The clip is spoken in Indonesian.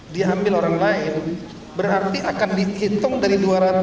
diambil orang lain berarti akan dihitung dari dua ratus